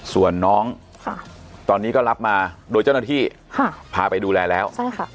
ส่วนน้องตอนนี้ก็รับมาโดยเจ้าหน้าที่พาไปดูแลแล้ว